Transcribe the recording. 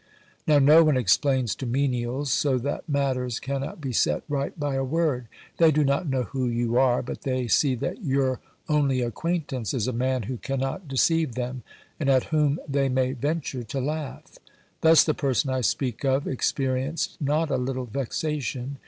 Now no one explains to menials, so that matters cannot be set right by a word ; they do not know who you are, but they see that your only acquaintance is a man who cannot deceive them, and at whom they may venture to laugh. Thus the person I speak of experienced not a little vexation.